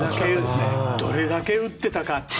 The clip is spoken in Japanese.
どれだけ打っていたか。